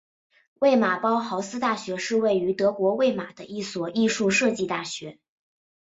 魏玛包豪斯大学是位于德国魏玛的一所艺术设计大学。